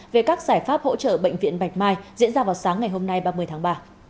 về các giải pháp hỗ trợ bệnh viện bạch mai diễn ra vào sáng ngày hôm nay ba mươi tháng ba